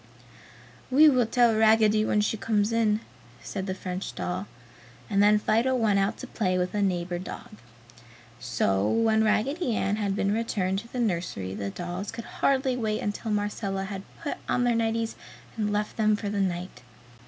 "We will tell Raggedy when she comes in!" said the French doll, and then Fido went out to play with a neighbor dog. So when Raggedy Ann had been returned to the nursery the dolls could hardly wait until Marcella had put on their nighties and left them for the night.